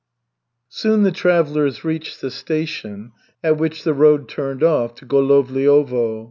Soon the travellers reached the station at which the road turned off to Golovliovo.